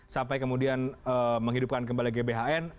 sampai kemudian menghidupkan kembali gbhn